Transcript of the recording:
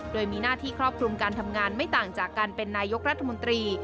โดยมีหน้าที่ครอบคลุมการทำงานไม่ต่างจากการเป็นนายกรัฐมนตรี